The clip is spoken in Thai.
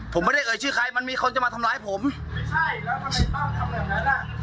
ผมไม่ได้เอ่ยชื่อใครมันมีคนจะมาทำร้ายผมไม่ใช่แล้วทำไมป้าทำแบบนั้นอ่ะ